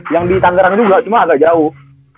yang di tanggerang itu juga cuma agak jauh